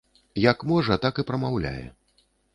Як можа, так і прамаўляе.